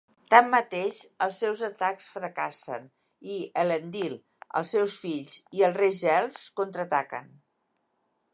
Tanmateix, els seus atacs fracassen i Elendil, els seus fills, i els reis elfs contraataquen.